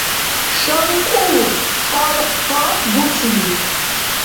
Шалкӏу къаркъа буцили…